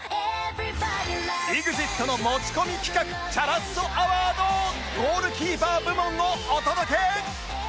ＥＸＩＴ の持ち込み企画チャラッソアワードゴールキーパー部門をお届け！